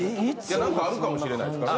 何かあるかもしれないですからね